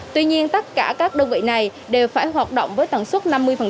tuy nhiên tất cả các đơn vị này đều phải hoạt động với tần suất năm mươi